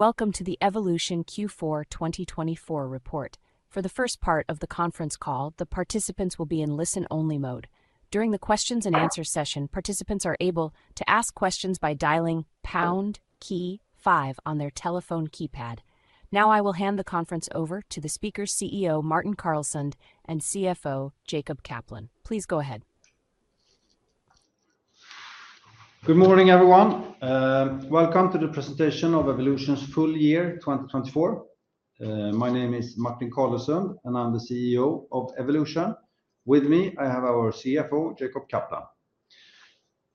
Welcome to the Evolution Q4 2024 report. For the first part of the conference call, the participants will be in listen-only mode. During the Q&A session, participants are able to ask questions by dialing #5 on their telephone keypad. Now I will hand the conference over to the speakers CEO Martin Carlesund and CFO Jacob Kaplan. Please go ahead. Good morning, everyone. Welcome to the presentation of Evolution's full year 2024. My name is Martin Carlesund, and I'm the CEO of Evolution. With me, I have our CFO, Jacob Kaplan.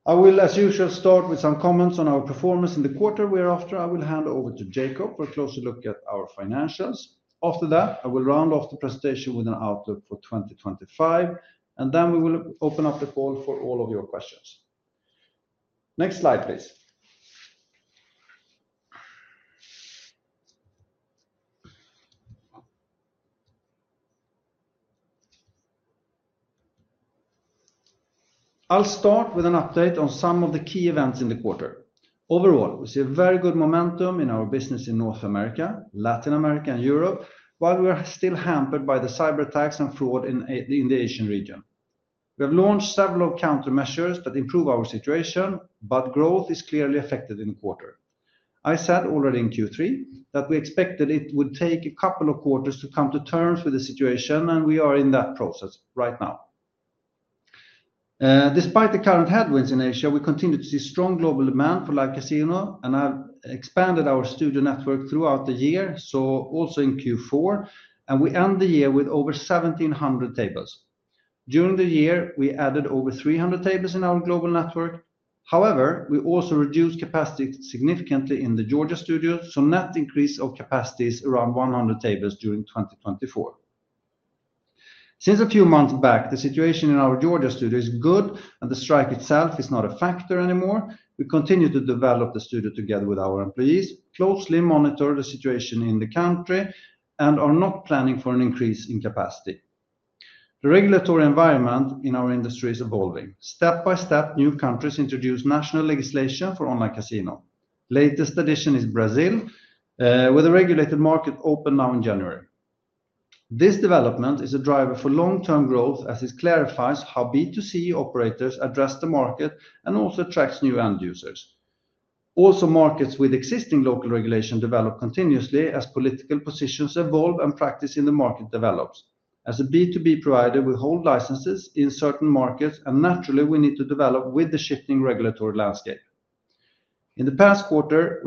I will, as usual, start with some comments on our performance in the quarter we are after. I will hand over to Jacob for a closer look at our financials. After that, I will round off the presentation with an outlook for 2025, and then we will open up the call for all of your questions. Next slide, please. I'll start with an update on some of the key events in the quarter. Overall, we see a very good momentum in our business in North America, Latin America, and Europe, while we are still hampered by the cyberattacks and fraud in the Asian region. We have launched several countermeasures that improve our situation, but growth is clearly affected in the quarter. I said already in Q3 that we expected it would take a couple of quarters to come to terms with the situation, and we are in that process right now. Despite the current headwinds in Asia, we continue to see strong global demand for live casino, and I've expanded our studio network throughout the year, so also in Q4, and we end the year with over 1,700 tables. During the year, we added over 300 tables in our global network. However, we also reduced capacity significantly in the Georgia studios, so net increase of capacity is around 100 tables during 2024. Since a few months back, the situation in our Georgia studio is good, and the strike itself is not a factor anymore. We continue to develop the studio together with our employees, closely monitor the situation in the country, and are not planning for an increase in capacity. The regulatory environment in our industry is evolving. Step by step, new countries introduce national legislation for online casino. Latest addition is Brazil, with a regulated market open now in January. This development is a driver for long-term growth, as it clarifies how B2C operators address the market and also attracts new end users. Also, markets with existing local regulation develop continuously as political positions evolve and practice in the market develops. As a B2B provider, we hold licenses in certain markets, and naturally, we need to develop with the shifting regulatory landscape. In the past quarter,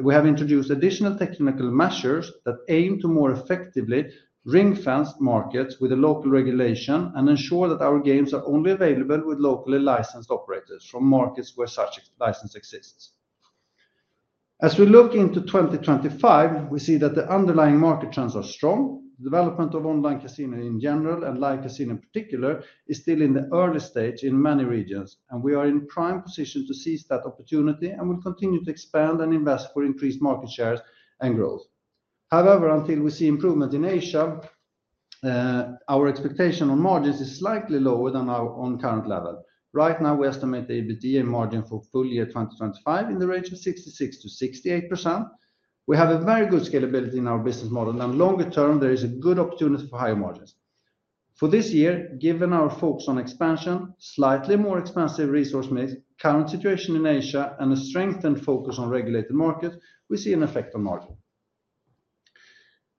we have introduced additional technical measures that aim to more effectively ring-fence markets with a local regulation and ensure that our games are only available with locally licensed operators from markets where such license exists. As we look into 2025, we see that the underlying market trends are strong. The development of online casino in general and live casino in particular is still in the early stage in many regions, and we are in prime position to seize that opportunity and will continue to expand and invest for increased market shares and growth. However, until we see improvement in Asia, our expectation on margins is slightly lower than our current level. Right now, we estimate the EBITDA margin for full year 2025 in the range of 66%-68%. We have a very good scalability in our business model, and longer term, there is a good opportunity for higher margins. For this year, given our focus on expansion, slightly more expensive resource needs, current situation in Asia, and a strengthened focus on regulated markets, we see an effect on margin.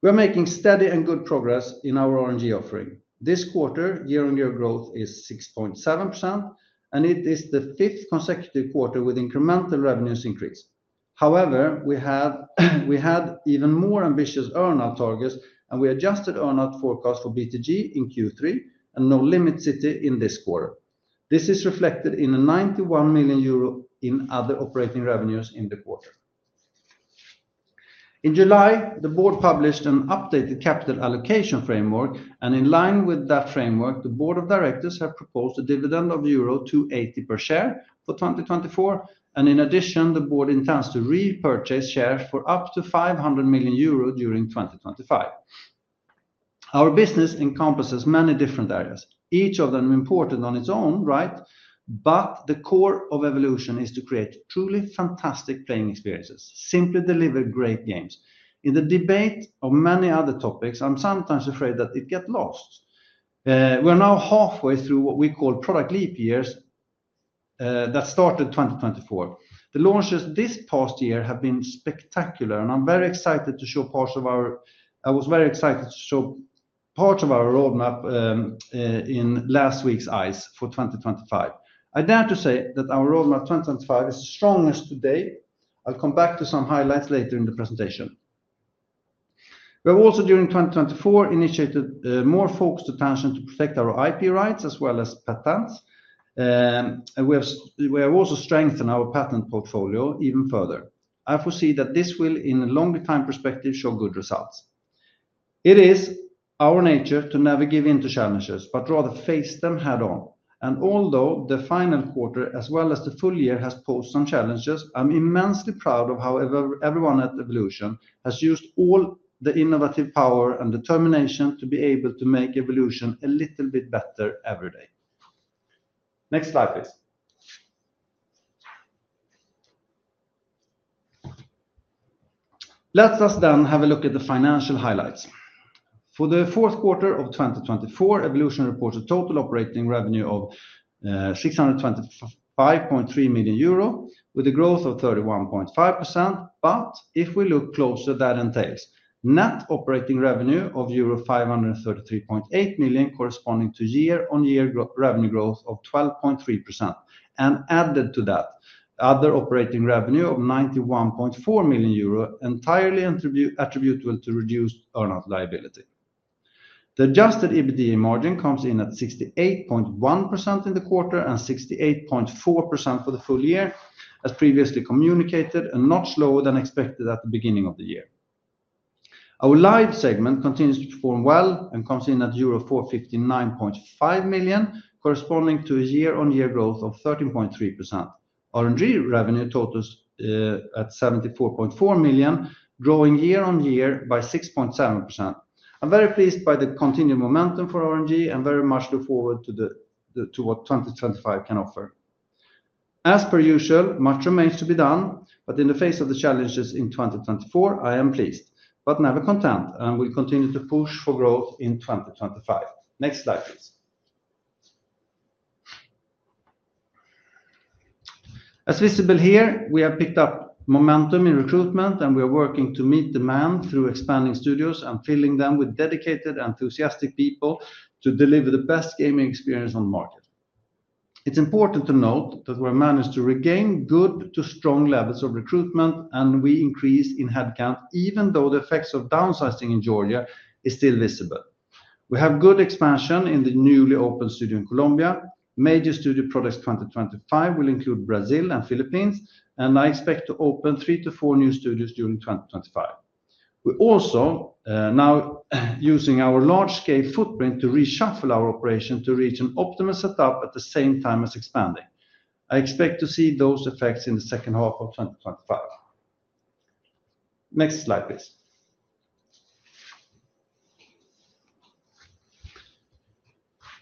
We are making steady and good progress in our RNG offering. This quarter, year-on-year growth is 6.7%, and it is the fifth consecutive quarter with incremental revenues increase. However, we had even more ambitious earnout targets, and we adjusted earnout forecast for BTG in Q3 and Nolimit City in this quarter. This is reflected in a 91 million euro in other operating revenues in the quarter. In July, the board published an updated capital allocation framework, and in line with that framework, the board of directors have proposed a dividend of euro 280 per share for 2024. In addition, the board intends to repurchase shares for up to 500 million euro during 2025. Our business encompasses many different areas, each of them important on its own, right? But the core of Evolution is to create truly fantastic playing experiences, simply deliver great games. In the debate of many other topics, I'm sometimes afraid that it gets lost. We are now halfway through what we call product leap years that started 2024. The launches this past year have been spectacular, and I was very excited to show parts of our roadmap in last week's ICE for 2025. I dare to say that our roadmap 2025 is strong as today. I'll come back to some highlights later in the presentation. We have also, during 2024, initiated more focused attention to protect our IP rights as well as patents. We have also strengthened our patent portfolio even further. I foresee that this will, in a longer-term perspective, show good results. It is our nature to never give in to challenges, but rather face them head-on, and although the final quarter, as well as the full year, has posed some challenges, I'm immensely proud of how everyone at Evolution has used all the innovative power and determination to be able to make Evolution a little bit better every day. Next slide, please. Let us then have a look at the financial highlights. For the fourth quarter of 2024, Evolution reported total operating revenue of 625.3 million euro, with a growth of 31.5%, but if we look closer, that entails net operating revenue of euro 533.8 million, corresponding to year-on-year revenue growth of 12.3%, and added to that, other operating revenue of 91.4 million euro, entirely attributable to reduced earnout liability. The adjusted EBITDA margin comes in at 68.1% in the quarter and 68.4% for the full year, as previously communicated, and not slower than expected at the beginning of the year. Our live segment continues to perform well and comes in at euro 459.5 million, corresponding to a year-on-year growth of 13.3%. RNG revenue totals at 74.4 million, growing year-on-year by 6.7%. I'm very pleased by the continued momentum for RNG and very much look forward to what 2025 can offer. As per usual, much remains to be done, but in the face of the challenges in 2024, I am pleased but never content and will continue to push for growth in 2025. Next slide, please. As visible here, we have picked up momentum in recruitment, and we are working to meet demand through expanding studios and filling them with dedicated, enthusiastic people to deliver the best gaming experience on the market. It's important to note that we've managed to regain good to strong levels of recruitment, and an increase in headcount, even though the effects of downsizing in Georgia are still visible. We have good expansion in the newly opened studio in Colombia. Major studio projects 2025 will include Brazil and Philippines, and I expect to open three to four new studios during 2025. We're also now using our large-scale footprint to reshuffle our operation to reach an optimal setup at the same time as expanding. I expect to see those effects in the second half of 2025. Next slide, please.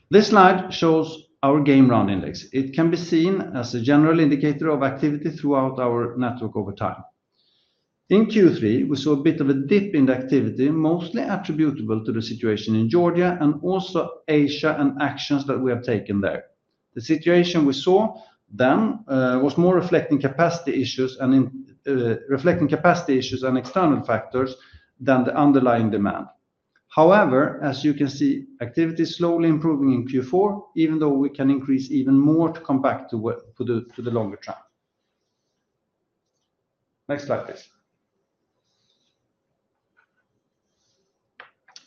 This slide shows our Game Round Index. It can be seen as a general indicator of activity throughout our network over time. In Q3, we saw a bit of a dip in activity, mostly attributable to the situation in Georgia and also Asia and actions that we have taken there. The situation we saw then was more reflecting capacity issues and external factors than the underlying demand. However, as you can see, activity is slowly improving in Q4, even though we can increase even more to come back to the longer term. Next slide, please.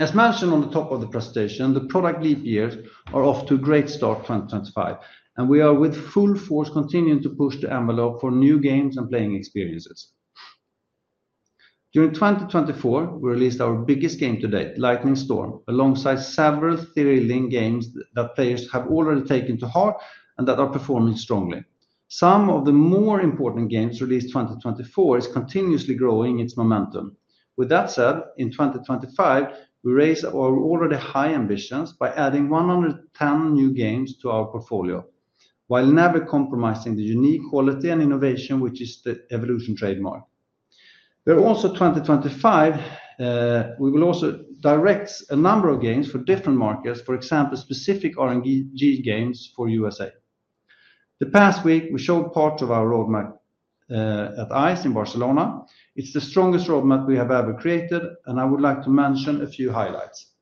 As mentioned on the top of the presentation, the product leap years are off to a great start 2025, and we are with full force continuing to push the envelope for new games and playing experiences. During 2024, we released our biggest game to date, Lightning Storm, alongside several thrilling games that players have already taken to heart and that are performing strongly. Some of the more important games released in 2024 are continuously growing its momentum. With that said, in 2025, we raised our already high ambitions by adding 110 new games to our portfolio, while never compromising the unique quality and innovation, which is the Evolution trademark. In 2025, we will also direct a number of games for different markets, for example, specific RNG games for USA. The past week, we showed parts of our roadmap at ICE in Barcelona. It's the strongest roadmap we have ever created, and I would like to mention a few highlights.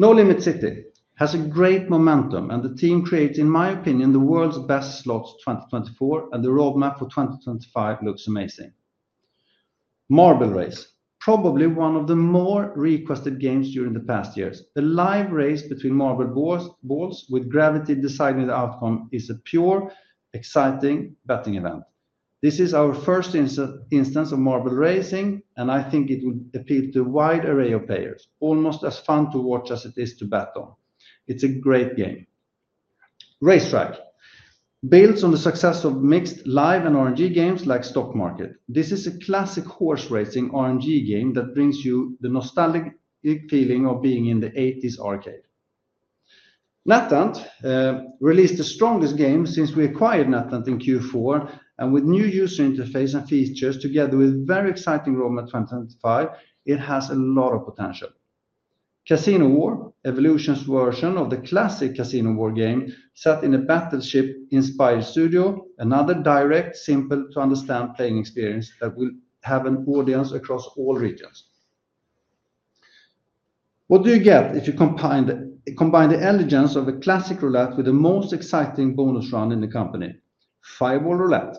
Nolimit City has a great momentum, and the team creates, in my opinion, the world's best slots in 2024, and the roadmap for 2025 looks amazing. Marble Race, probably one of the more requested games during the past years. The live race between marble balls with gravity deciding the outcome is a pure, exciting betting event. This is our first instance of marble racing, and I think it will appeal to a wide array of players, almost as fun to watch as it is to bet on. It's a great game. Race Track builds on the success of mixed live and RNG games like Stock Market. This is a classic horse racing RNG game that brings you the nostalgic feeling of being in the '80s arcade. NetEnt released the strongest game since we acquired NetEnt in Q4, and with new user interface and features together with a very exciting roadmap 2025, it has a lot of potential. Casino War, Evolution's version of the classic Casino War game, set in a battleship-inspired studio, another direct, simple-to-understand playing experience that will have an audience across all regions. What do you get if you combine the elegance of a classic roulette with the most exciting bonus round in the company? Fireball Roulette,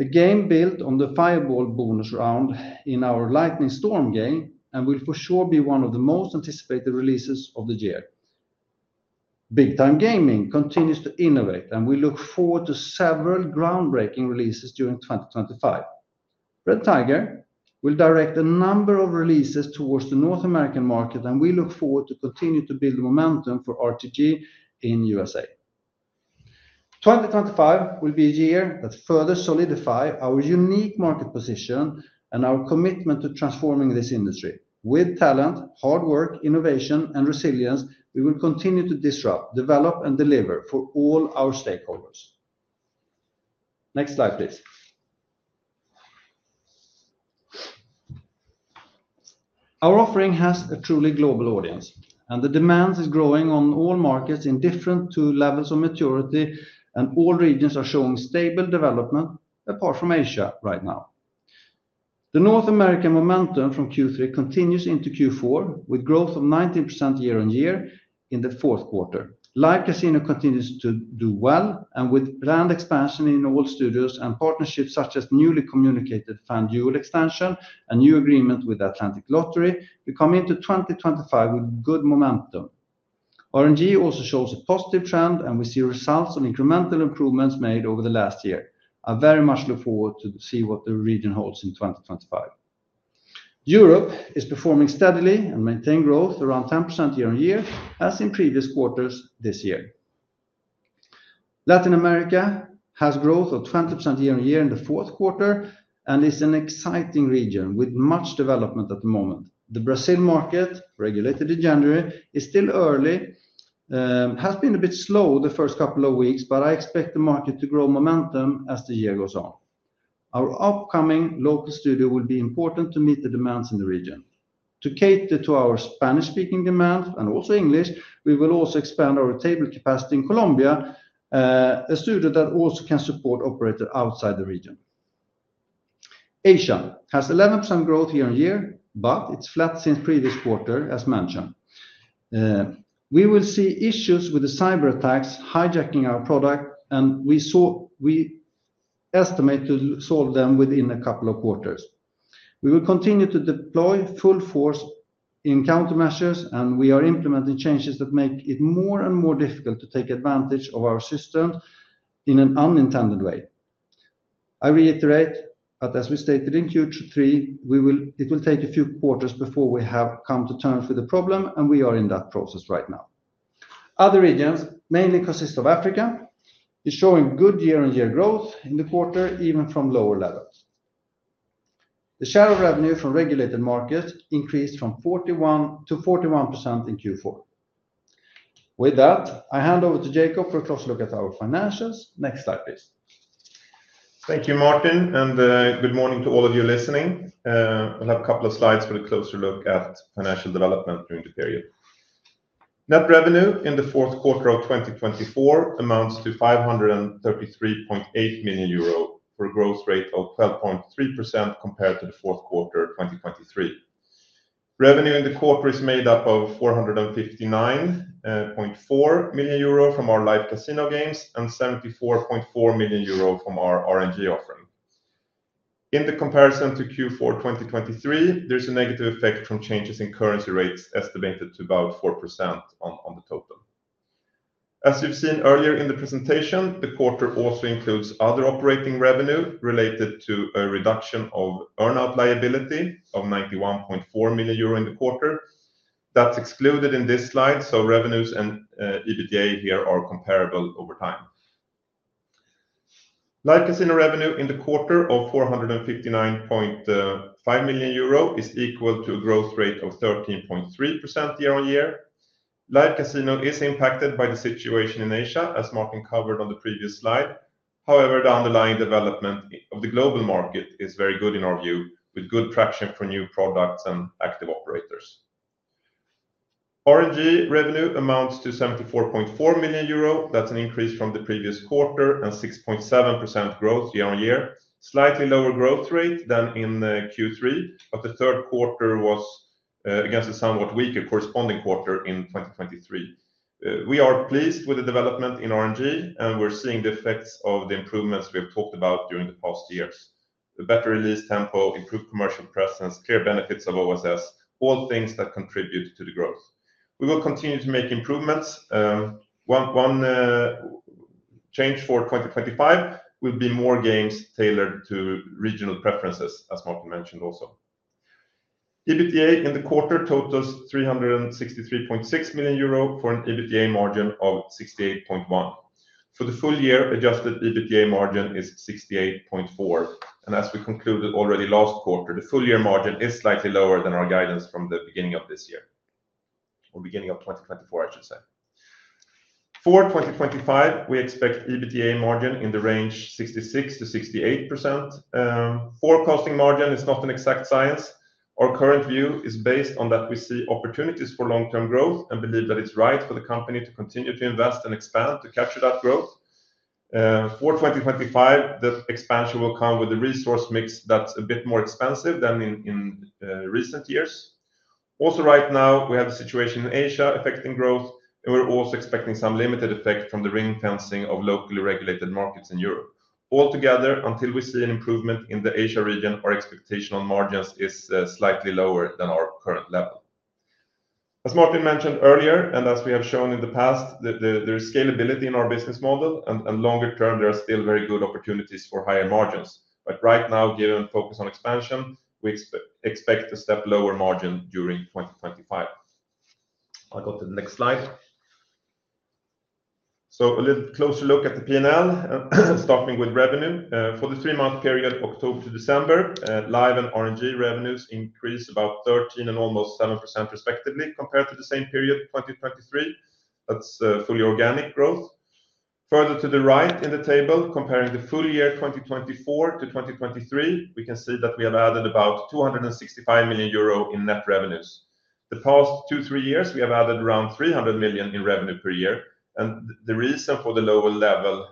a game built on the Fireball bonus round in our Lightning Storm game, and will for sure be one of the most anticipated releases of the year. Big Time Gaming continues to innovate, and we look forward to several groundbreaking releases during 2025. Red Tiger will direct a number of releases towards the North American market, and we look forward to continuing to build momentum for RTG in the USA. 2025 will be a year that further solidifies our unique market position and our commitment to transforming this industry. With talent, hard work, innovation, and resilience, we will continue to disrupt, develop, and deliver for all our stakeholders. Next slide, please. Our offering has a truly global audience, and the demand is growing on all markets in different two levels of maturity, and all regions are showing stable development apart from Asia right now. The North American momentum from Q3 continues into Q4, with growth of 19% year-on-year in the fourth quarter. Live casino continues to do well, and with brand expansion in all studios and partnerships such as newly communicated FanDuel expansion and new agreement with Atlantic Lottery, we come into 2025 with good momentum. RNG also shows a positive trend, and we see results on incremental improvements made over the last year. I very much look forward to see what the region holds in 2025. Europe is performing steadily and maintaining growth around 10% year-on-year, as in previous quarters this year. Latin America has growth of 20% year-on-year in the fourth quarter and is an exciting region with much development at the moment. The Brazil market, regulated in January, is still early, has been a bit slow the first couple of weeks, but I expect the market to grow momentum as the year goes on. Our upcoming local studio will be important to meet the demands in the region. To cater to our Spanish-speaking demand and also English, we will also expand our table capacity in Colombia, a studio that also can support operators outside the region. Asia has 11% growth year-on-year, but it's flat since previous quarter, as mentioned. We will see issues with the cyberattacks hijacking our product, and we estimate to solve them within a couple of quarters. We will continue to deploy full force in countermeasures, and we are implementing changes that make it more and more difficult to take advantage of our system in an unintended way. I reiterate that as we stated in Q3, it will take a few quarters before we have come to terms with the problem, and we are in that process right now. Other regions mainly consist of Africa. It's showing good year-on-year growth in the quarter, even from lower levels. The share of revenue from regulated markets increased from 41% to 41% in Q4. With that, I hand over to Jacob for a closer look at our financials. Next slide, please. Thank you, Martin, and good morning to all of you listening. We'll have a couple of slides for a closer look at financial development during the period. Net revenue in the fourth quarter of 2024 amounts to 533.8 million euro for a growth rate of 12.3% compared to the fourth quarter of 2023. Revenue in the quarter is made up of 459.4 million euro from our live casino games and 74.4 million euro from our RNG offering. In the comparison to Q4 2023, there's a negative effect from changes in currency rates estimated to about 4% on the total. As you've seen earlier in the presentation, the quarter also includes other operating revenue related to a reduction of earnout liability of 91.4 million euro in the quarter. That's excluded in this slide, so revenues and EBITDA here are comparable over time. Live casino revenue in the quarter of 459.5 million euro is equal to a growth rate of 13.3% year-on-year. Live casino is impacted by the situation in Asia, as Martin covered on the previous slide. However, the underlying development of the global market is very good in our view, with good traction for new products and active operators. RNG revenue amounts to 74.4 million euro. That's an increase from the previous quarter and 6.7% growth year-on-year. Slightly lower growth rate than in Q3, but the third quarter was against a somewhat weaker corresponding quarter in 2023. We are pleased with the development in RNG, and we're seeing the effects of the improvements we have talked about during the past years. Better release tempo, improved commercial presence, clear benefits of OSS, all things that contribute to the growth. We will continue to make improvements. One change for 2025 will be more games tailored to regional preferences, as Martin mentioned also. EBITDA in the quarter totals 363.6 million euro for an EBITDA margin of 68.1%. For the full year, adjusted EBITDA margin is 68.4%. As we concluded already last quarter, the full year margin is slightly lower than our guidance from the beginning of this year or beginning of 2024, I should say. For 2025, we expect EBITDA margin in the range 66%-68%. Forecasting margin is not an exact science. Our current view is based on that we see opportunities for long-term growth and believe that it's right for the company to continue to invest and expand to capture that growth. For 2025, the expansion will come with a resource mix that's a bit more expensive than in recent years. Also, right now, we have a situation in Asia affecting growth, and we're also expecting some limited effect from the ring-fencing of locally regulated markets in Europe. Altogether, until we see an improvement in the Asia region, our expectation on margins is slightly lower than our current level. As Martin mentioned earlier, and as we have shown in the past, there is scalability in our business model, and longer term, there are still very good opportunities for higher margins. But right now, given a focus on expansion, we expect a step lower margin during 2025. I'll go to the next slide. So a little closer look at the P&L, starting with revenue. For the three-month period, October to December, live and RNG revenues increased about 13% and almost 7% respectively compared to the same period, 2023. That's fully organic growth. Further to the right in the table, comparing the full year 2024 to 2023, we can see that we have added about 265 million euro in net revenues. The past two to three years, we have added around 300 million in revenue per year. The reason for the lower level,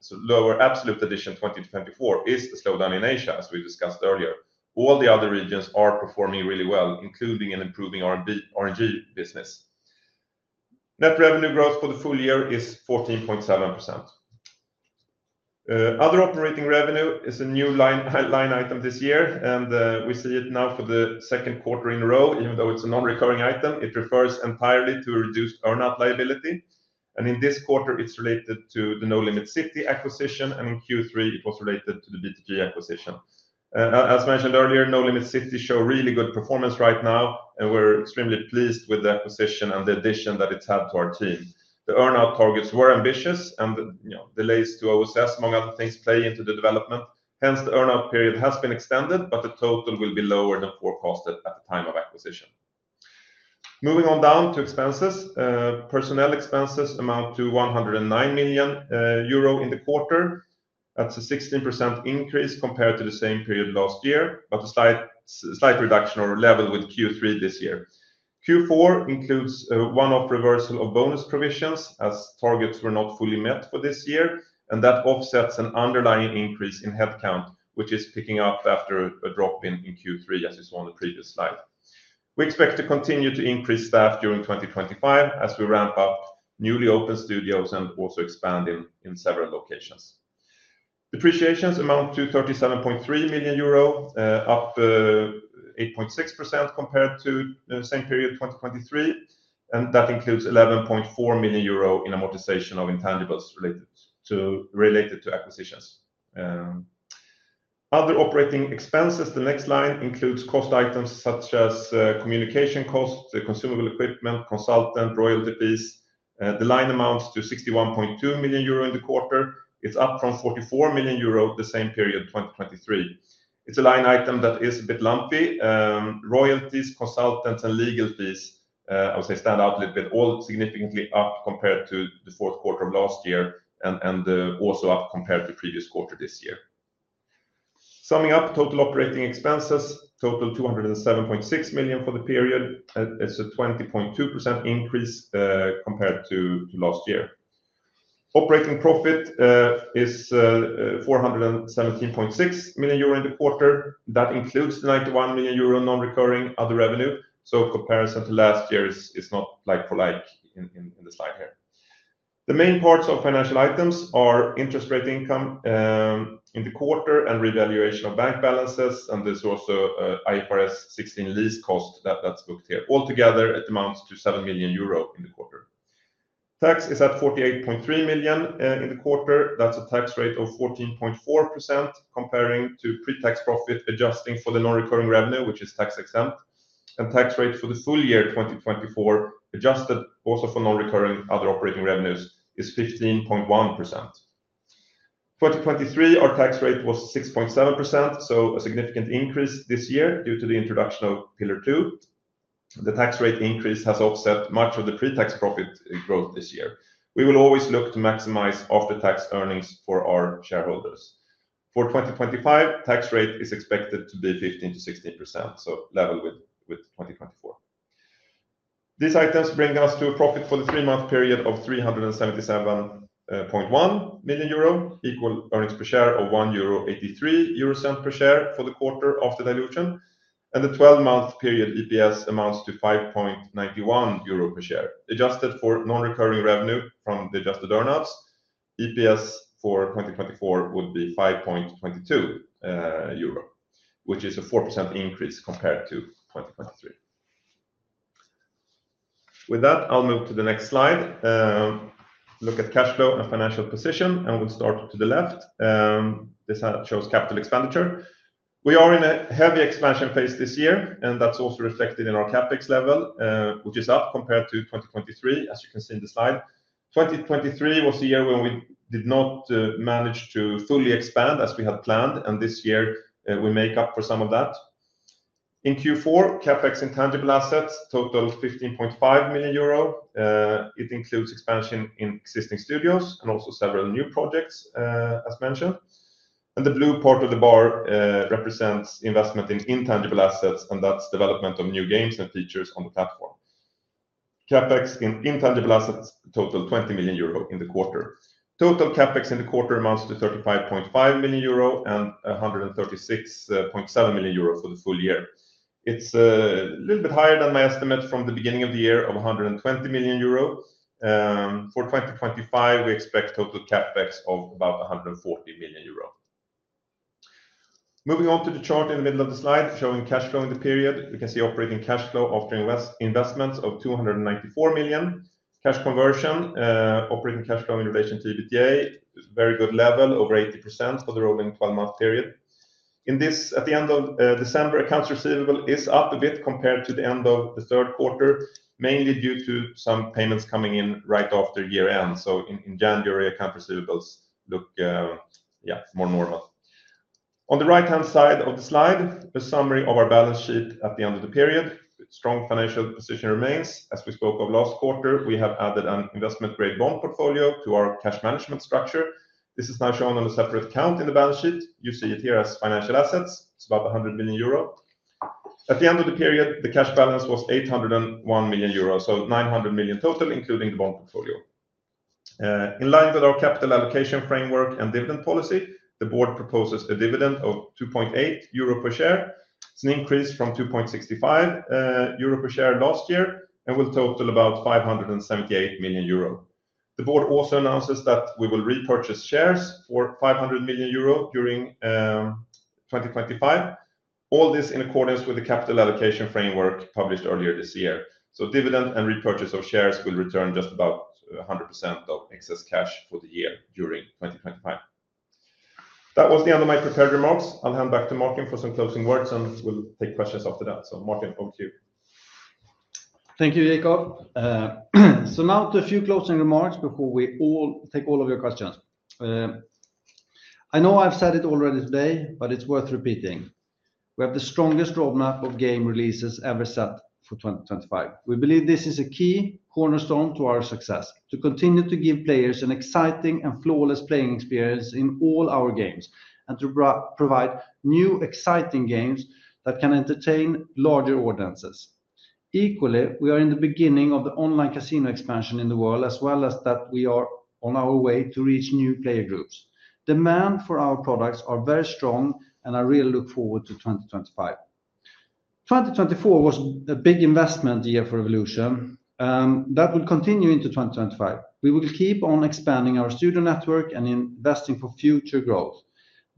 so lower absolute addition 2024, is the slowdown in Asia, as we discussed earlier. All the other regions are performing really well, including and improving our RNG business. Net revenue growth for the full year is 14.7%. Other operating revenue is a new line item this year, and we see it now for the second quarter in a row. Even though it's a non-recurring item, it refers entirely to reduced earnout liability. In this quarter, it's related to the Nolimit City acquisition, and in Q3, it was related to the BTG acquisition. As mentioned earlier, Nolimit City shows really good performance right now, and we're extremely pleased with the acquisition and the addition that it's had to our team. The earnout targets were ambitious, and delays to OSS, among other things, play into the development. Hence, the earnout period has been extended, but the total will be lower than forecasted at the time of acquisition. Moving on down to expenses, personnel expenses amount to 109 million euro in the quarter. That's a 16% increase compared to the same period last year, but a slight reduction or level with Q3 this year. Q4 includes one-off reversal of bonus provisions as targets were not fully met for this year, and that offsets an underlying increase in headcount, which is picking up after a drop in Q3, as you saw in the previous slide. We expect to continue to increase staff during 2025 as we ramp up newly opened studios and also expand in several locations. Depreciations amount to 37.3 million euro, up 8.6% compared to the same period of 2023, and that includes 11.4 million euro in amortization of intangibles related to acquisitions. Other operating expenses. The next line includes cost items such as communication costs, consumable equipment, consultant, royalty fees. The line amounts to 61.2 million euro in the quarter. It's up from 44 million euro the same period, 2023. It's a line item that is a bit lumpy. Royalties, consultants, and legal fees, I would say, stand out a little bit, all significantly up compared to the fourth quarter of last year and also up compared to the previous quarter this year. Summing up total operating expenses, total 207.6 million for the period. It's a 20.2% increase compared to last year. Operating profit is 417.6 million euro in the quarter. That includes the 91 million euro non-recurring other revenue. So comparison to last year is not like for like in the slide here. The main parts of financial items are interest rate income in the quarter and revaluation of bank balances, and there's also IFRS 16 lease cost that's booked here. Altogether, it amounts to 7 million euro in the quarter. Tax is at 48.3 million in the quarter. That's a tax rate of 14.4% comparing to pre-tax profit adjusting for the non-recurring revenue, which is tax-exempt. And tax rate for the full year 2024, adjusted also for non-recurring other operating revenues, is 15.1%. 2023, our tax rate was 6.7%, so a significant increase this year due to the introduction of Pillar Two. The tax rate increase has offset much of the pre-tax profit growth this year. We will always look to maximize after-tax earnings for our shareholders. For 2025, tax rate is expected to be 15% to 16%, so level with 2024. These items bring us to a profit for the three-month period of 377.1 million euro, equal earnings per share of 1.83 euro per share for the quarter after dilution. The 12-month period EPS amounts to 5.91 euro per share. Adjusted for non-recurring revenue from the adjusted earnouts, EPS for 2024 would be 5.22 euro, which is a 4% increase compared to 2023. With that, I'll move to the next slide. Look at cash flow and financial position, and we'll start to the left. This shows capital expenditure. We are in a heavy expansion phase this year, and that's also reflected in our CapEx level, which is up compared to 2023, as you can see in the slide. 2023 was a year when we did not manage to fully expand as we had planned, and this year, we make up for some of that. In Q4, CapEx intangible assets totaled 15.5 million euro. It includes expansion in existing studios and also several new projects, as mentioned. And the blue part of the bar represents investment in intangible assets, and that's development of new games and features on the platform. CapEx in intangible assets totaled 20 million euro in the quarter. Total CapEx in the quarter amounts to 35.5 million euro and 136.7 million euro for the full year. It's a little bit higher than my estimate from the beginning of the year of 120 million euro. For 2025, we expect total CapEx of about 140 million euro. Moving on to the chart in the middle of the slide showing cash flow in the period, we can see operating cash flow after investments of 294 million. Cash conversion, operating cash flow in relation to EBITDA, very good level, over 80% for the rolling 12-month period. In this, at the end of December, accounts receivable is up a bit compared to the end of the third quarter, mainly due to some payments coming in right after year-end. So in January, accounts receivables look, yeah, more normal. On the right-hand side of the slide, a summary of our balance sheet at the end of the period. Strong financial position remains. As we spoke of last quarter, we have added an investment-grade bond portfolio to our cash management structure. This is now shown on a separate account in the balance sheet. You see it here as financial assets. It's about 100 million euro. At the end of the period, the cash balance was 801 million euro, so 900 million total, including the bond portfolio. In line with our capital allocation framework and dividend policy, the board proposes a dividend of 2.80 euro per share. It's an increase from 2.65 euro per share last year and will total about 578 million euro. The board also announces that we will repurchase shares for 500 million euro during 2025. All this in accordance with the capital allocation framework published earlier this year. So dividend and repurchase of shares will return just about 100% of excess cash for the year during 2025. That was the end of my prepared remarks. I'll hand back to Martin for some closing words, and we'll take questions after that. So Martin, over to you. Thank you, Jacob. So now to a few closing remarks before we all take all of your questions. I know I've said it already today, but it's worth repeating. We have the strongest roadmap of game releases ever set for 2025. We believe this is a key cornerstone to our success, to continue to give players an exciting and flawless playing experience in all our games and to provide new exciting games that can entertain larger audiences. Equally, we are in the beginning of the online casino expansion in the world, as well as that we are on our way to reach new player groups. Demand for our products is very strong, and I really look forward to 2025. 2024 was a big investment year for Evolution. That will continue into 2025. We will keep on expanding our studio network and investing for future growth.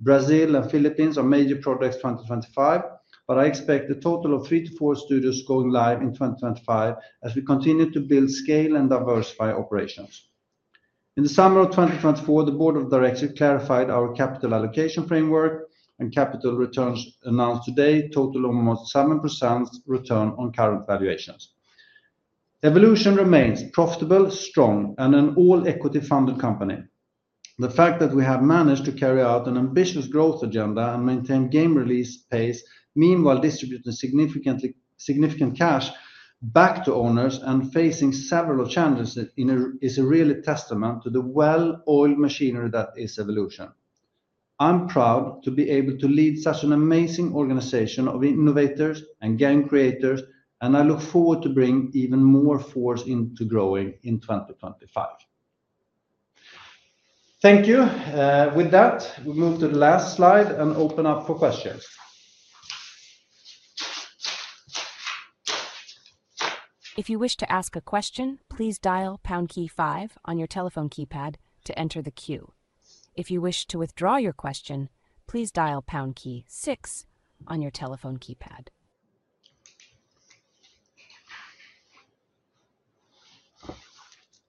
Brazil and Philippines are major projects 2025, but I expect a total of three to four studios going live in 2025 as we continue to build scale and diversify operations. In the summer of 2024, the board of directors clarified our capital allocation framework, and capital returns announced today total almost 7% return on current valuations. Evolution remains profitable, strong, and an all-equity-funded company. The fact that we have managed to carry out an ambitious growth agenda and maintain game release pace, meanwhile distributing significant cash back to owners and facing several challenges, is a real testament to the well-oiled machinery that is Evolution. I'm proud to be able to lead such an amazing organization of innovators and game creators, and I look forward to bringing even more force into growing in 2025. Thank you. With that, we move to the last slide and open up for questions. If you wish to ask a question, please dial pound key five on your telephone keypad to enter the queue. If you wish to withdraw your question, please dial pound key six on your telephone keypad.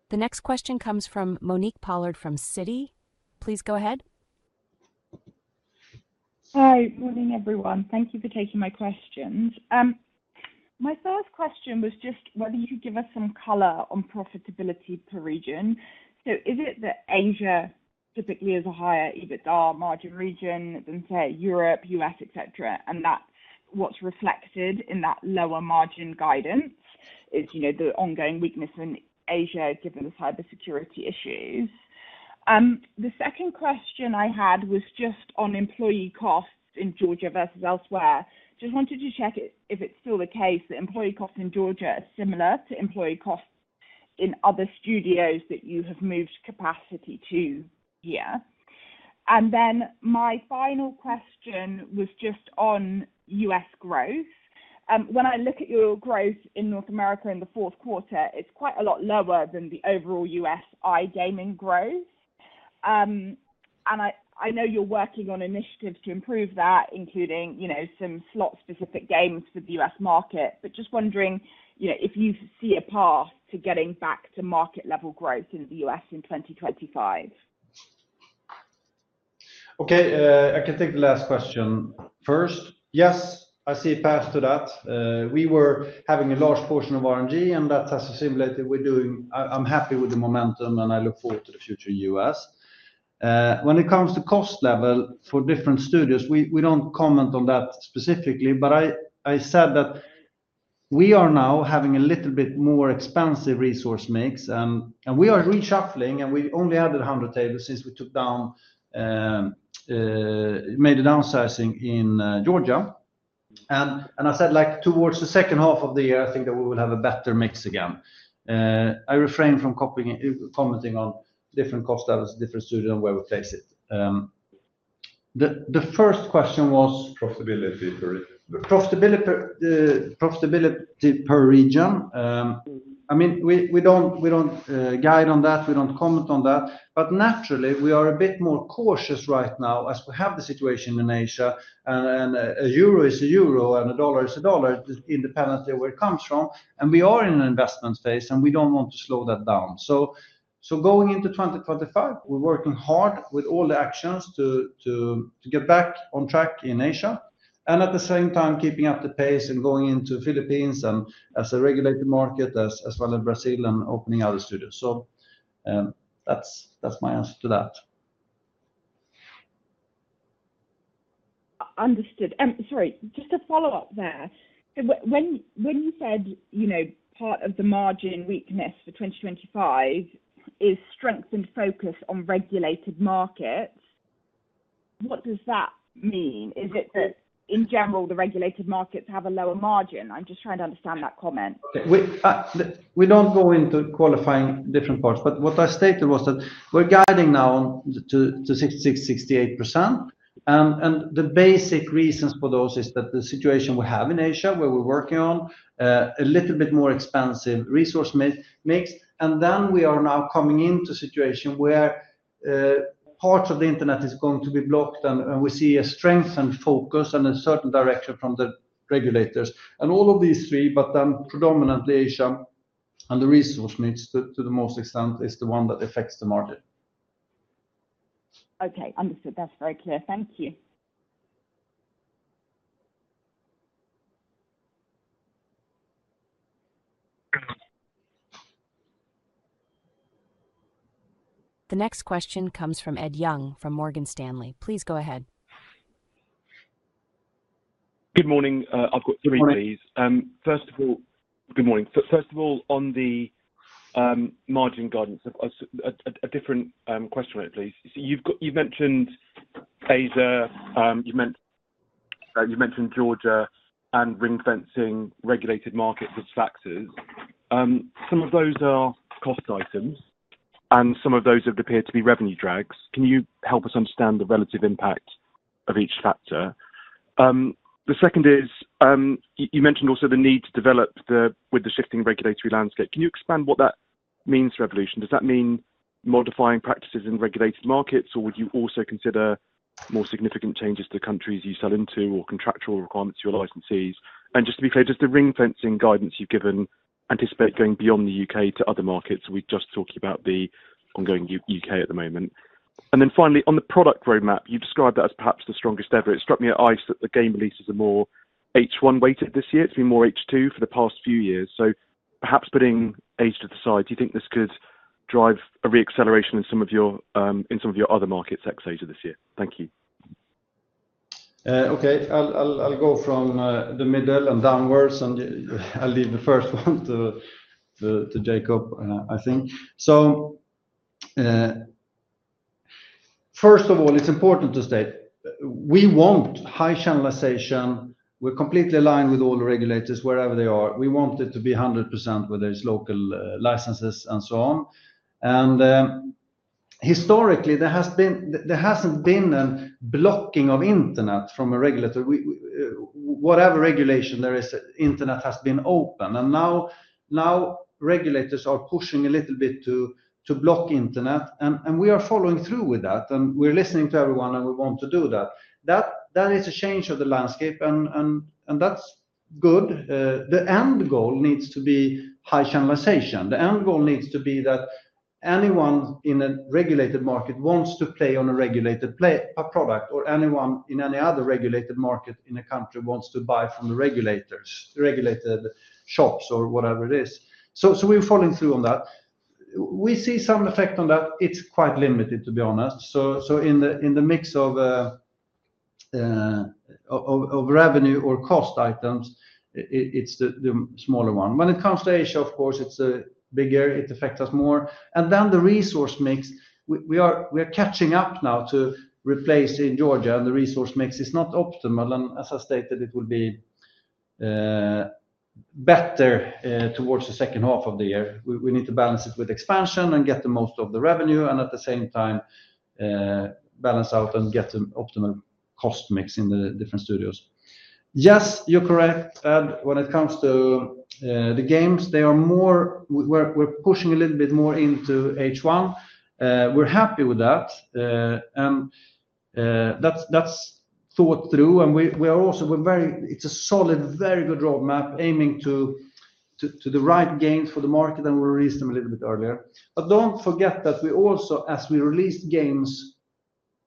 The next question comes from Monique Pollard from Citi. Please go ahead. Hi, good morning, everyone. Thank you for taking my questions. My first question was just whether you could give us some color on profitability per region. So is it that Asia typically is a higher, even higher margin region than, say, Europe, US, et cetera? And that's what's reflected in that lower margin guidance, is the ongoing weakness in Asia given the cybersecurity issues. The second question I had was just on employee costs in Georgia versus elsewhere. Just wanted to check if it's still the case that employee costs in Georgia are similar to employee costs in other studios that you have moved capacity to here. And then my final question was just on US growth. When I look at your growth in North America in the fourth quarter, it's quite a lot lower than the overall US iGaming growth. And I know you're working on initiatives to improve that, including some slot-specific games for the US market, but just wondering if you see a path to getting back to market-level growth in the US in 2025? Okay, I can take the last question first. Yes, I see a path to that. We were having a large portion of RNG, and that has assimilated. I'm happy with the momentum, and I look forward to the future in the US. When it comes to cost level for different studios, we don't comment on that specifically, but I said that we are now having a little bit more expensive resource mix, and we are reshuffling, and we only added 100 tables since we took down, made a downsizing in Georgia. And I said towards the second half of the year, I think that we will have a better mix again. I refrain from commenting on different cost levels, different studios, and where we place it. The first question was profitability per region. I mean, we don't guide on that. We don't comment on that. But naturally, we are a bit more cautious right now as we have the situation in Asia, and a euro is a euro and a dollar is a dollar, independently of where it comes from. And we are in an investment phase, and we don't want to slow that down. So going into 2025, we're working hard with all the actions to get back on track in Asia and at the same time keeping up the pace and going into the Philippines and as a regulated market as well as Brazil and opening other studios. So that's my answer to that. Understood. Sorry, just a follow-up there. When you said part of the margin weakness for 2025 is strengthened focus on regulated markets, what does that mean? Is it that in general, the regulated markets have a lower margin? I'm just trying to understand that comment. We don't go into quantifying different parts, but what I stated was that we're guiding now to 66%-68%. The basic reasons for those is that the situation we have in Asia, where we're working on a little bit more expensive resource mix. And then we are now coming into a situation where parts of the internet is going to be blocked, and we see a strengthened focus and a certain direction from the regulators. And all of these three, but then predominantly Asia and the resource mix to the most extent is the one that affects the market. Okay, understood. That's very clear. Thank you. The next question comes from Ed Young from Morgan Stanley. Please go ahead. Good morning. I'll go through it, please. First of all, good morning. First of all, on the margin guidance, a different question on it, please. You've mentioned Asia. You've mentioned Georgia and ring-fencing regulated markets with taxes. Some of those are cost items, and some of those have appeared to be revenue drags. Can you help us understand the relative impact of each factor? The second is you mentioned also the need to develop with the shifting regulatory landscape. Can you expand what that means, Evolution? Does that mean modifying practices in regulated markets, or would you also consider more significant changes to countries you sell into or contractual requirements to your licensees? And just to be clear, does the ring-fencing guidance you've given anticipate going beyond the U.K. to other markets? We're just talking about the ongoing U.K. at the moment. And then finally, on the product roadmap, you described that as perhaps the strongest ever. It struck me at ICE that the game releases are more H1-weighted this year. It's been more H2 for the past few years. So perhaps putting age to the side, do you think this could drive a reacceleration in some of your other markets ex-Asia this year? Thank you. Okay, I'll go from the middle and downwards, and I'll leave the first one to Jacob, I think. So first of all, it's important to state, we want high channelization. We're completely aligned with all the regulators wherever they are. We want it to be 100% where there are local licenses and so on. And historically, there hasn't been a blocking of internet from a regulator. Whatever regulation there is, internet has been open. And now regulators are pushing a little bit to block internet, and we are following through with that. And we're listening to everyone, and we want to do that. That is a change of the landscape, and that's good. The end goal needs to be high channelization. The end goal needs to be that anyone in a regulated market wants to play on a regulated product, or anyone in any other regulated market in a country wants to buy from the regulators, regulated shops or whatever it is. So we're following through on that. We see some effect on that. It's quite limited, to be honest. So in the mix of revenue or cost items, it's the smaller one. When it comes to Asia, of course, it's bigger. It affects us more. And then the resource mix, we are catching up now to replace in Georgia, and the resource mix is not optimal. And as I stated, it will be better towards the second half of the year. We need to balance it with expansion and get the most out of the revenue, and at the same time, balance out and get an optimal cost mix in the different studios. Yes, you're correct. When it comes to the games, there are more we're pushing a little bit more into H1. We're happy with that. That's thought through. We are also very, it's a solid, very good roadmap aiming for the right games for the market, and we'll release them a little bit earlier. Don't forget that we also, as we released games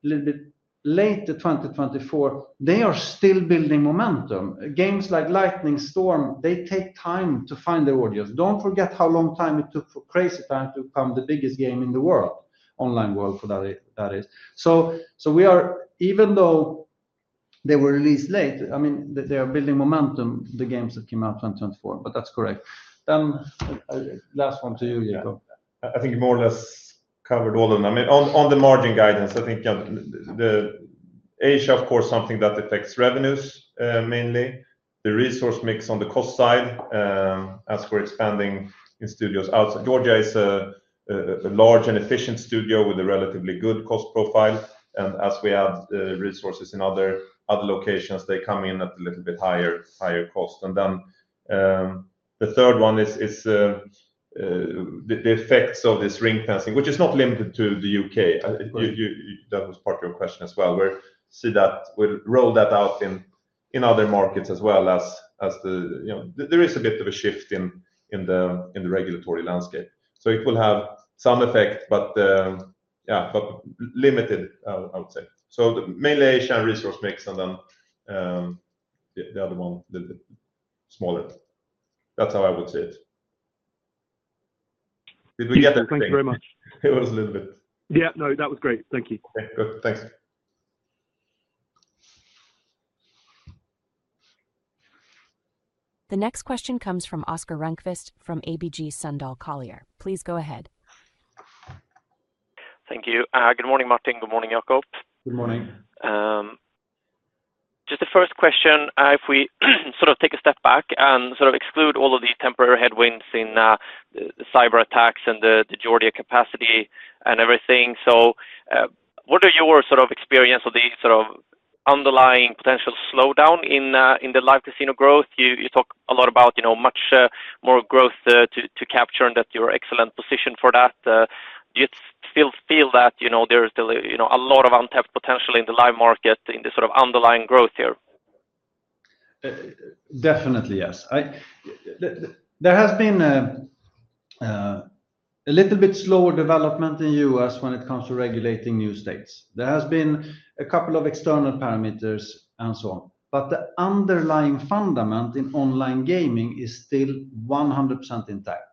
a little bit late in 2024, they are still building momentum. Games like Lightning Storm, they take time to find their audience. Don't forget how long it took for Crazy Time to become the biggest game in the world, online world, for that is. So even though they were released late, I mean, they are building momentum, the games that came out in 2024, but that's correct. Then last one to you, Jacob. I think you more or less covered all of them. I mean, on the margin guidance, I think Asia, of course, something that affects revenues mainly. The resource mix on the cost side, as we're expanding in studios outside. Georgia is a large and efficient studio with a relatively good cost profile. And as we add resources in other locations, they come in at a little bit higher cost. And then the third one is the effects of this ring-fencing, which is not limited to the UK. That was part of your question as well. We'll see that. We'll roll that out in other markets as well as the there is a bit of a shift in the regulatory landscape. So it will have some effect, but yeah, but limited, I would say. So mainly Asia and resource mix, and then the other one, the smaller. That's how I would see it. Did we get that clear? Thank you very much. It was a little bit. Yeah, no, that was great. Thank you. Okay, good. Thanks. The next question comes from Oscar Rönnkvist from ABG Sundal Collier. Please go ahead. Thank you. Good morning, Martin. Good morning, Jacob. Good morning. Just the first question, if we sort of take a step back and sort of exclude all of the temporary headwinds in the cyber attacks and the Georgia capacity and everything. So what are your sort of experience of the sort of underlying potential slowdown in the live casino growth? You talk a lot about much more growth to capture and that you're in excellent position for that. Do you still feel that there's a lot of untapped potential in the live market in the sort of underlying growth here? Definitely, yes. There has been a little bit slower development in the U.S. when it comes to regulating new states. There has been a couple of external parameters and so on. But the underlying fundament in online gaming is still 100% intact.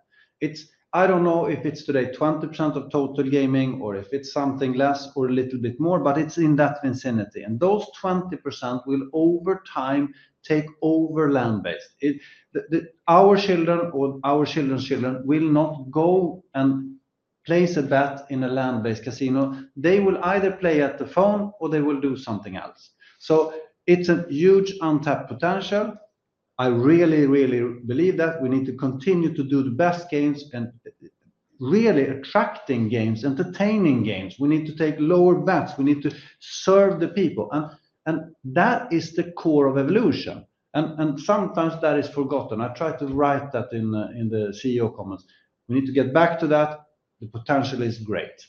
I don't know if it's today 20% of total gaming or if it's something less or a little bit more, but it's in that vicinity, and those 20% will over time take over land-based. Our children or our children's children will not go and place a bet in a land-based casino. They will either play at the phone or they will do something else, so it's a huge untapped potential. I really, really believe that we need to continue to do the best games and really attracting games, entertaining games. We need to take lower bets. We need to serve the people. And that is the core of Evolution. And sometimes that is forgotten. I tried to write that in the CEO comments. We need to get back to that. The potential is great.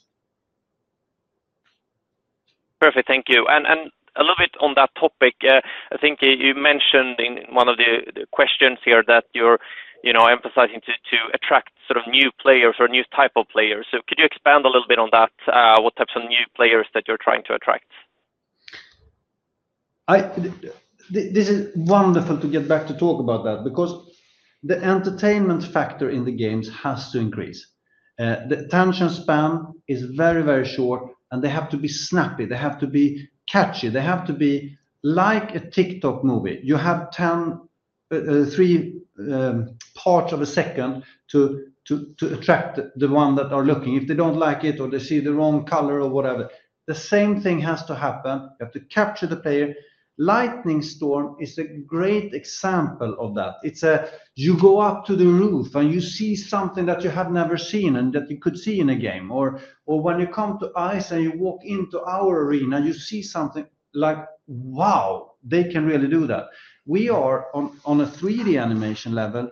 Perfect. Thank you. And a little bit on that topic, I think you mentioned in one of the questions here that you're emphasizing to attract sort of new players or a new type of players. So could you expand a little bit on that? What types of new players that you're trying to attract? This is wonderful to get back to talk about that because the entertainment factor in the games has to increase. The attention span is very, very short, and they have to be snappy. They have to be catchy. They have to be like a TikTok movie. You have three parts of a second to attract the one that are looking. If they don't like it or they see the wrong color or whatever, the same thing has to happen. You have to capture the player. Lightning Storm is a great example of that. You go up to the roof and you see something that you have never seen and that you could see in a game. Or when you come to ICE and you walk into our arena, you see something like, "Wow, they can really do that." We are on a 3D animation level,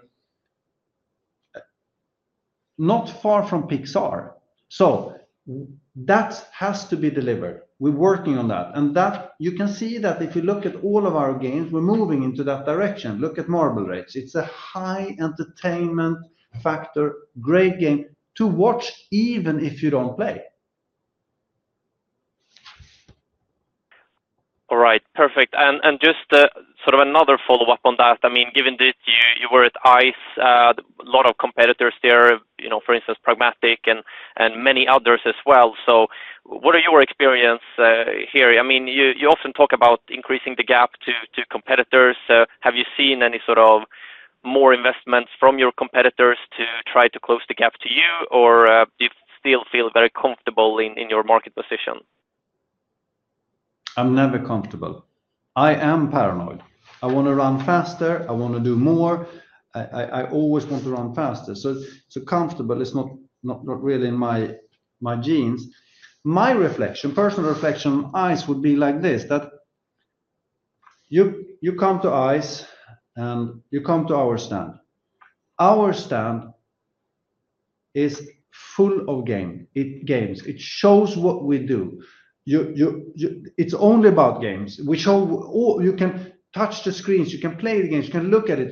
not far from Pixar. So that has to be delivered. We're working on that. You can see that if you look at all of our games, we're moving into that direction. Look at Marble Race. It's a high entertainment factor, great game to watch even if you don't play. All right. Perfect. Just sort of another follow-up on that. I mean, given that you were at ICE, a lot of competitors there, for instance, Pragmatic and many others as well. What are your experiences here? I mean, you often talk about increasing the gap to competitors. Have you seen any sort of more investments from your competitors to try to close the gap to you, or do you still feel very comfortable in your market position? I'm never comfortable. I am paranoid. I want to run faster. I want to do more. I always want to run faster. Comfortable is not really in my genes. My reflection, personal reflection on ICE would be like this, that you come to ICE and you come to our stand. Our stand is full of games. It shows what we do. It's only about games. You can touch the screens. You can play the games. You can look at it.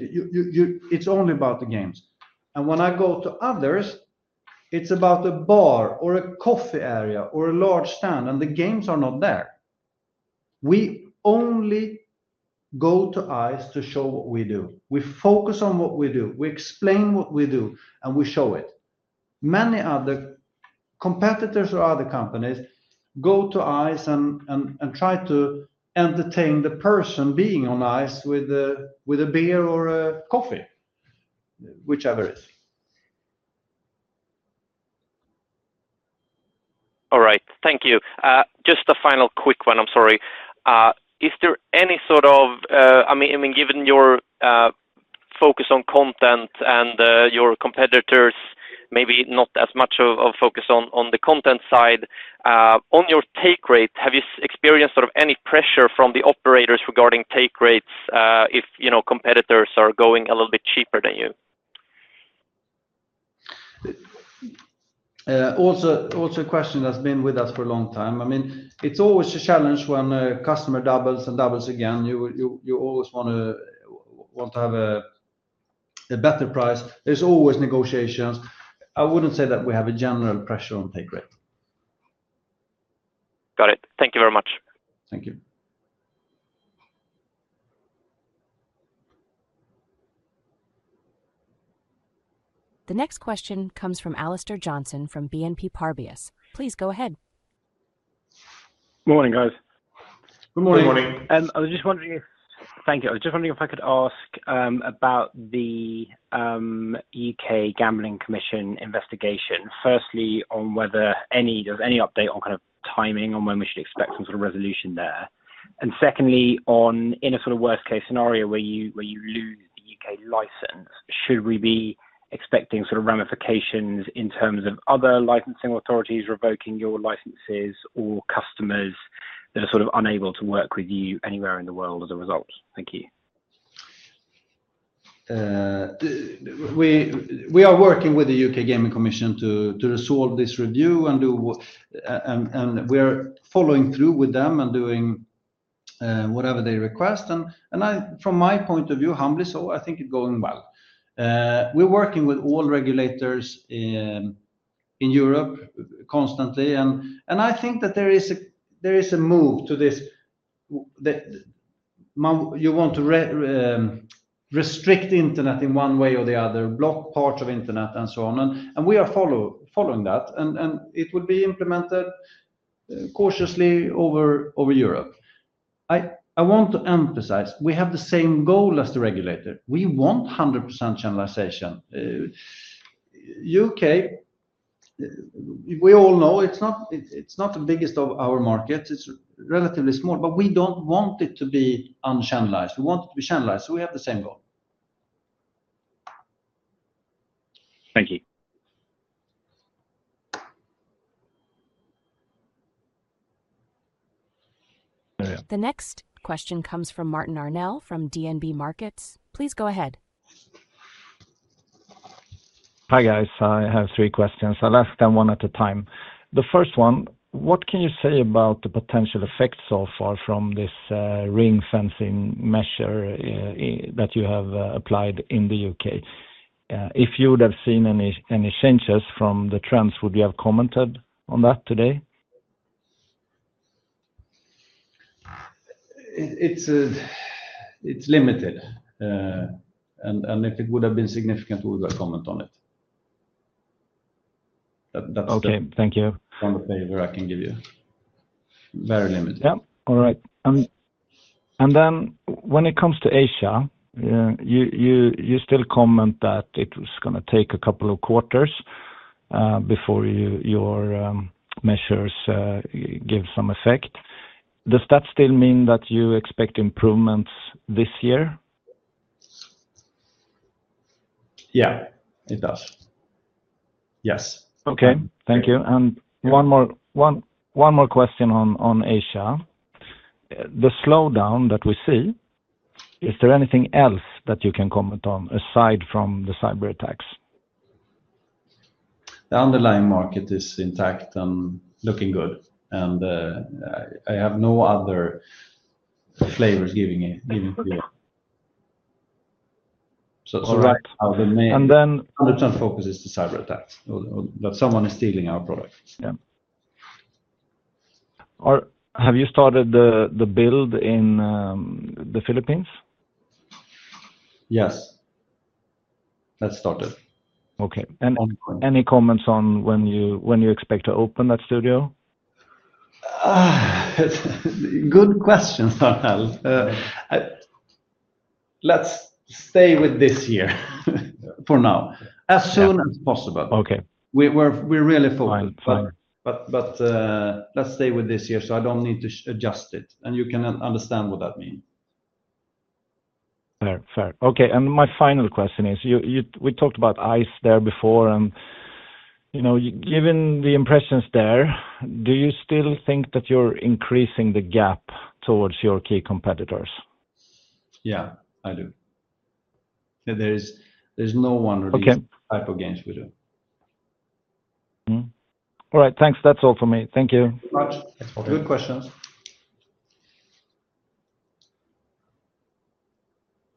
It's only about the games. And when I go to others, it's about a bar or a coffee area or a large stand, and the games are not there. We only go to ICE to show what we do. We focus on what we do. We explain what we do, and we show it. Many other competitors or other companies go to ICE and try to entertain the person being on ICE with a beer or a coffee, whichever it is. All right. Thank you. Just a final quick one. I'm sorry. Is there any sort of? I mean, given your focus on content and your competitors, maybe not as much of a focus on the content side, on your take rate, have you experienced sort of any pressure from the operators regarding take rates if competitors are going a little bit cheaper than you? Also a question that's been with us for a long time. I mean, it's always a challenge when a customer doubles and doubles again. You always want to have a better price. There's always negotiations. I wouldn't say that we have a general pressure on take rate. Got it. Thank you very much. Thank you. The next question comes from Alistair Johnson from BNP Paribas. Please go ahead. Good morning, guys. Good morning. Good morning. And I was just wondering if thank you. I was just wondering if I could ask about the UK Gambling Commission investigation, firstly, on whether there's any update on kind of timing on when we should expect some sort of resolution there. And secondly, in a sort of worst-case scenario where you lose the UK license, should we be expecting sort of ramifications in terms of other licensing authorities revoking your licenses or customers that are sort of unable to work with you anywhere in the world as a result? Thank you. We are working with the UK Gambling Commission to resolve this review, and we are following through with them and doing whatever they request. And from my point of view, humbly so, I think it's going well. We're working with all regulators in Europe constantly. I think that there is a move to this you want to restrict internet in one way or the other, block parts of internet and so on. We are following that. It will be implemented cautiously over Europe. I want to emphasize we have the same goal as the regulator. We want 100% channelization. U.K., we all know it's not the biggest of our markets. It's relatively small, but we don't want it to be unchannelized. We want it to be channelized. We have the same goal. Thank you. The next question comes from Martin Arnell from DNB Markets. Please go ahead. Hi guys. I have three questions. I'll ask them one at a time. The first one, what can you say about the potential effects so far from this ring-fencing measure that you have applied in the U.K.? If you would have seen any changes from the trends, would you have commented on that today? It's limited. And if it would have been significant, we would have commented on it. That's all. Okay. Thank you. On the favor I can give you. Very limited. Yeah. All right. And then when it comes to Asia, you still comment that it was going to take a couple of quarters before your measures give some effect. Does that still mean that you expect improvements this year? Yeah, it does. Yes. Okay. Thank you. And one more question on Asia. The slowdown that we see, is there anything else that you can comment on aside from the cyber attacks? The underlying market is intact and looking good. And I have no other flavors giving to you. So right now, the main 100% focus is the cyber attacks, that someone is stealing our product. Yeah. Have you started the build in the Philippines? Yes. That's started. Okay. And any comments on when you expect to open that studio? Good question, Arnell. Let's stay with this year for now, as soon as possible. We're really focused. But let's stay with this year so I don't need to adjust it. And you can understand what that means. Fair. Fair. Okay. And my final question is, we talked about ICE there before. And given the impressions there, do you still think that you're increasing the gap towards your key competitors? Yeah, I do. There's no one or these type of games we do. All right. Thanks. That's all for me. Thank you. Good questions.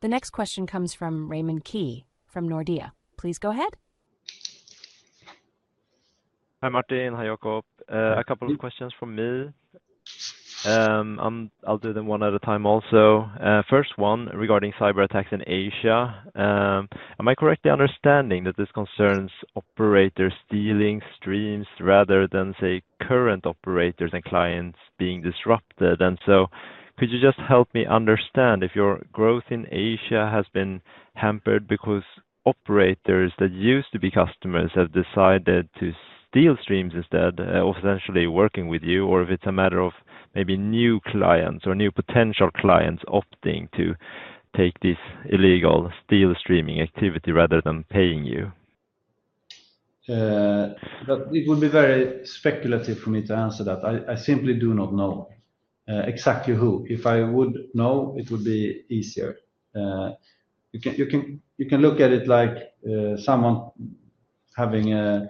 The next question comes from Raymond Ke from Nordea. Please go ahead. Hi, Martin. Hi, Jacob. A couple of questions for me. I'll do them one at a time also. First one regarding cyberattacks in Asia. Am I correctly understanding that this concerns operators stealing streams rather than, say, current operators and clients being disrupted? And so could you just help me understand if your growth in Asia has been hampered because operators that used to be customers have decided to steal streams instead of essentially working with you, or if it's a matter of maybe new clients or new potential clients opting to take this illegal steal streaming activity rather than paying you? It would be very speculative for me to answer that. I simply do not know exactly who. If I would know, it would be easier. You can look at it like someone having a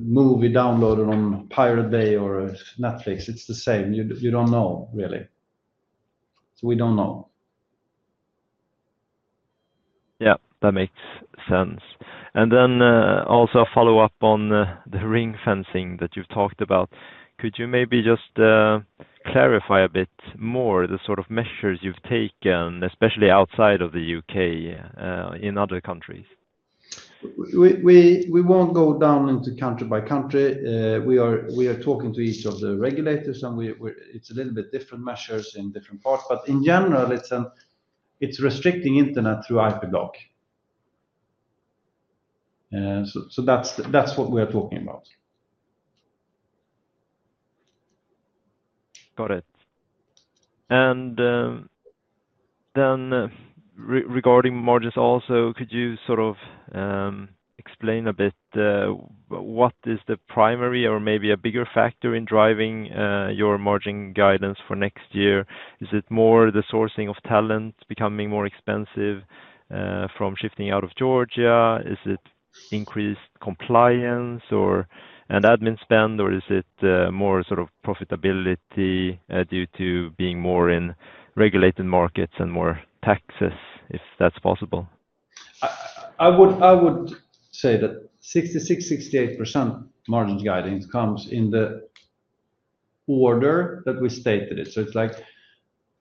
movie downloaded on Pirate Bay or Netflix. It's the same. You don't know, really. So we don't know. Yeah. That makes sense. And then also a follow-up on the ring-fencing that you've talked about. Could you maybe just clarify a bit more the sort of measures you've taken, especially outside of the U.K., in other countries? We won't go down into country by country. We are talking to each of the regulators, and it's a little bit different measures in different parts. But in general, it's restricting internet through IP block. So that's what we are talking about. Got it. And then regarding margins also, could you sort of explain a bit what is the primary or maybe a bigger factor in driving your margin guidance for next year? Is it more the sourcing of talent becoming more expensive from shifting out of Georgia? Is it increased compliance and admin spend, or is it more sort of profitability due to being more in regulated markets and more taxes if that's possible? I would say that 66%-68% margin guidance comes in the order that we stated it. So it's like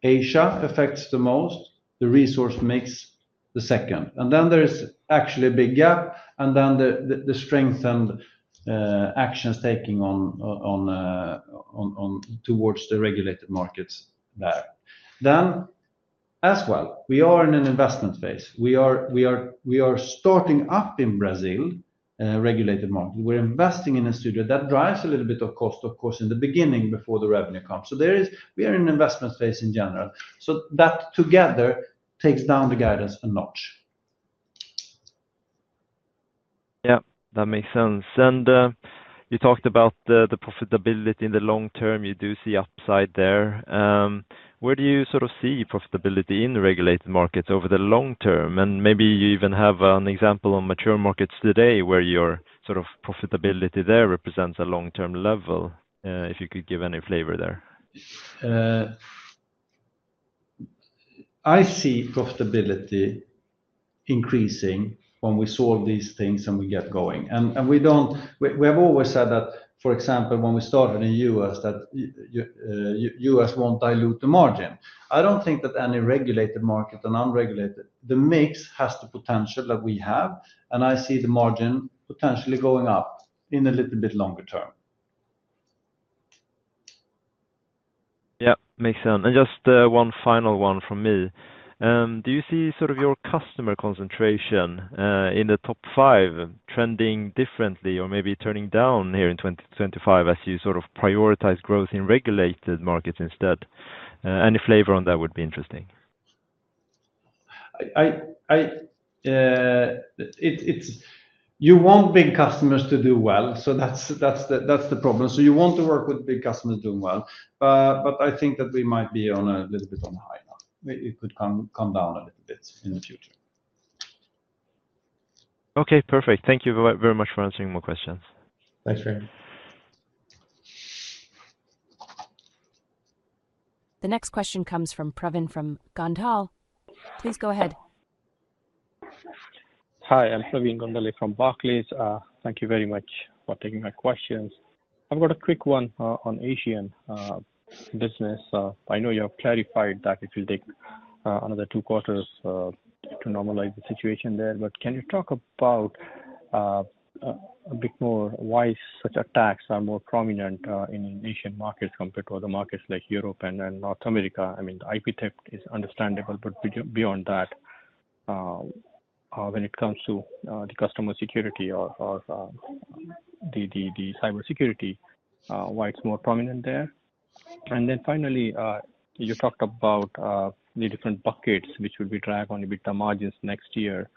Asia affects the most. The resource makes the second. And then there's actually a big gap, and then the strengthened actions taken towards the regulated markets there. Then, as well, we are in an investment phase. We are starting up in Brazil, regulated market. We're investing in a studio that drives a little bit of cost, of course, in the beginning before the revenue comes. So we are in an investment phase in general. So that together takes down the guidance a notch. Yeah. That makes sense. And you talked about the profitability in the long term. You do see upside there. Where do you sort of see profitability in regulated markets over the long term? And maybe you even have an example on mature markets today where your sort of profitability there represents a long-term level, if you could give any flavor there. I see profitability increasing when we solve these things and we get going. And we have always said that, for example, when we started in the U.S., that the U.S. won't dilute the margin. I don't think that any regulated market and unregulated, the mix has the potential that we have. And I see the margin potentially going up in a little bit longer term. Yeah. Makes sense. And just one final one from me. Do you see sort of your customer concentration in the top five trending differently or maybe turning down here in 2025 as you sort of prioritize growth in regulated markets instead? Any flavor on that would be interesting. You want big customers to do well. So that's the problem. So you want to work with big customers doing well. But I think that we might be on a little bit on high now. It could come down a little bit in the future. Okay. Perfect. Thank you very much for answering my questions. Thanks for you. The next question comes from Praveen Gondhale. Please go ahead. Hi. I'm Praveen Gondhale from Barclays. Thank you very much for taking my questions. I've got a quick one on Asian business. I know you have clarified that it will take another two quarters to normalize the situation there. But can you talk about a bit more why such attacks are more prominent in Asian markets compared to other markets like Europe and North America? I mean, the IP theft is understandable. But beyond that, when it comes to the customer security or the cybersecurity, why it's more prominent there? And then finally, you talked about the different buckets which will be dragged on a bit the margins next year.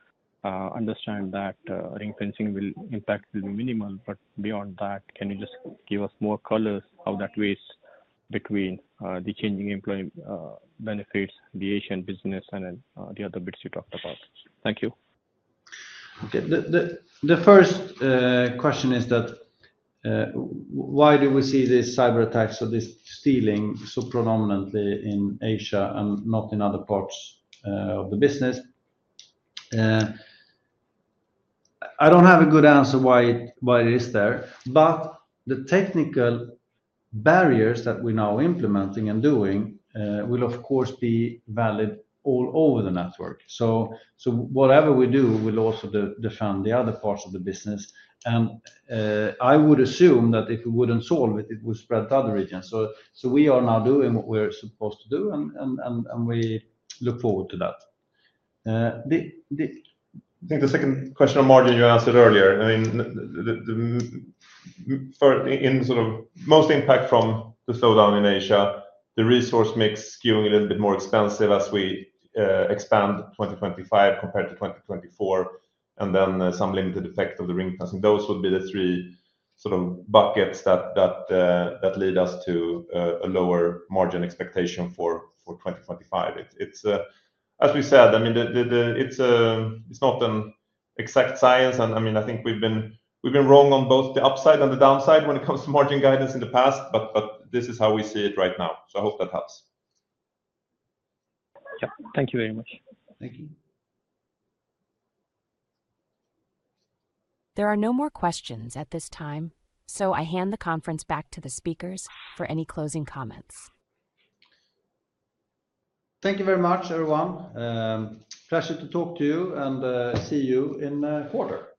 Understand that ring-fencing will impact will be minimal. But beyond that, can you just give us more colors of that race between the changing employee benefits, the Asian business, and then the other bits you talked about? Thank you. Okay. The first question is that why do we see these cyber attacks or this stealing so predominantly in Asia and not in other parts of the business? I don't have a good answer why it is there. But the technical barriers that we're now implementing and doing will, of course, be valid all over the network. So whatever we do will also defend the other parts of the business. I would assume that if we wouldn't solve it, it would spread to other regions. We are now doing what we're supposed to do, and we look forward to that. I think the second question on margin you answered earlier. I mean, in sort of most impact from the slowdown in Asia, the resource mix skewing a little bit more expensive as we expand 2025 compared to 2024, and then some limited effect of the ring-fencing. Those would be the three sort of buckets that lead us to a lower margin expectation for 2025. As we said, I mean, it's not an exact science. I mean, I think we've been wrong on both the upside and the downside when it comes to margin guidance in the past. This is how we see it right now. I hope that helps. Yeah. Thank you very much. Thank you. There are no more questions at this time. So I hand the conference back to the speakers for any closing comments. Thank you very much, everyone. Pleasure to talk to you and see you in a quarter.